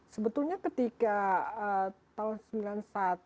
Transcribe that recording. sebetulnya ketika tahun seribu sembilan ratus sembilan puluh satu